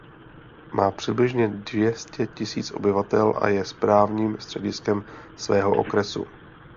Má přibližně dvě stě tisíc obyvatel a je správním střediskem svého okresu.